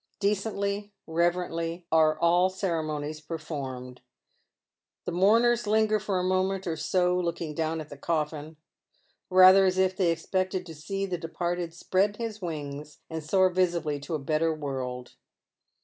Decently, reverentiy, are all ceremonies per formed. The mourners linger for a moment or bo looking down at the cofiBn, rather aa if tliey expected to see the departed spread hie wings and soar visibly to a better world.